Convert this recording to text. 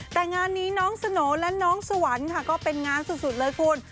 แต่งานนี้น้องสโหน่และน้องสวรรค์ค่ะก็เป็นงานสุดเลยคุณ